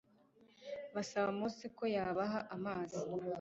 basaba Mose ko yabaha amazi